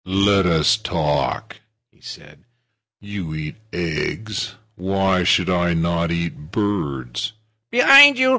"Let us talk," he said. "You eat eggs. Why should not I eat birds?" "Behind you!